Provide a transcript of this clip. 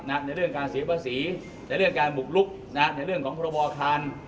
ในเรื่องการเสียภาษีในเรื่องการบุกลุกในเรื่องของพรบอาคาร